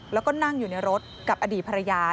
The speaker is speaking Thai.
แล้วก็นั่งอยู่ในรถกับอดีตภรรยา